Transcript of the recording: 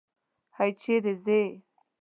هی! چېرې ځې؟